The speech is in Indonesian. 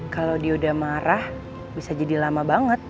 kalau dia udah marah bisa jadi lama banget